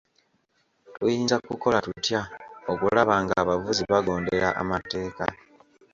Tuyinza kukola tutya okulaba ng'abavuzi bagondera amateeka?